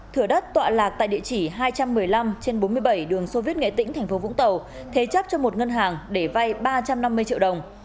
thửa đất tọa lạc tại địa chỉ hai trăm một mươi năm trên bốn mươi bảy đường soviet nghệ tĩnh thành phố vũng tàu thế chấp cho một ngân hàng để vay ba trăm năm mươi triệu đồng